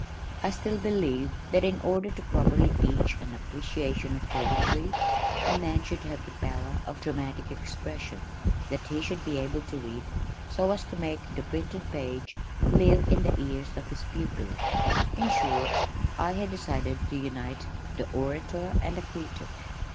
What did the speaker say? I still believed that in order to properly teach an appreciation of poetry, a man should have the power of dramatic expression, that he should be able to read so as to make the printed page live in the ears of his pupils. In short I had decided to unite the orator and the critic.